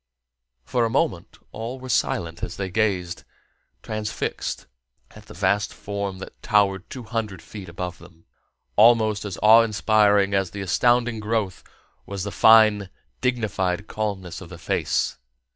For a moment all were silent as they gazed, transfixed, at the vast form that towered two hundred feet above them. Almost as awe inspiring as the astounding growth was the fine, dignified calmness of the face.